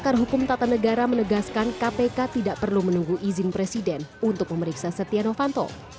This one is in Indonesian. pakar hukum tata negara menegaskan kpk tidak perlu menunggu izin presiden untuk memeriksa setia novanto